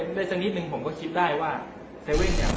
แล้วก็พอเล่ากับเขาก็คอยจับอย่างนี้ครับ